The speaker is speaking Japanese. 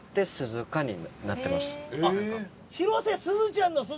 広瀬すずちゃんの「鈴」